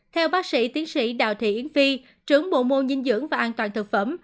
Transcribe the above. theo bác sĩ tiến sĩ đào thị yến phi trưởng bộ môn dinh dưỡng và an toàn thực phẩm